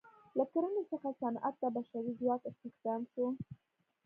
له کرنې څخه صنعت ته بشري ځواک استخدام شو.